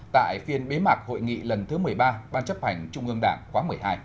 tại phiên bế mạc hội nghị lần thứ một mươi ba ban chấp hành trung ương đảng khóa một mươi hai